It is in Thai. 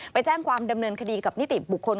ไปแจ้งความดำเนินคดีกับนิติบุคคล